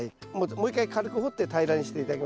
もう一回軽く掘って平らにして頂きます。